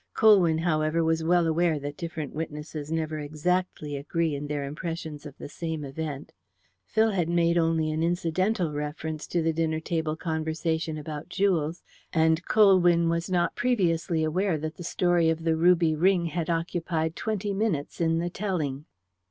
Colwyn, however, was well aware that different witnesses never exactly agree in their impressions of the same event. Phil had made only an incidental reference to the dinner table conversation about jewels, and Colwyn was not previously aware that the story of the ruby ring had occupied twenty minutes in the telling.